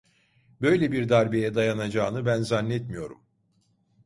Böyle bir darbeye dayanacağını ben zannetmiyorum.